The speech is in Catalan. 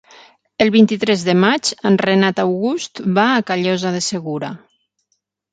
El vint-i-tres de maig en Renat August va a Callosa de Segura.